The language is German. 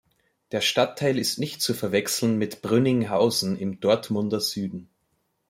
Der Stadtteil ist nicht zu verwechseln mit Brünninghausen im Dortmunder Süden.